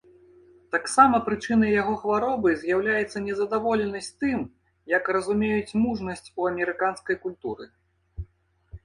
Таксама прычынай яго хваробы з'яўляецца незадаволенасць тым, як разумеюць мужнасць у амерыканскай культуры.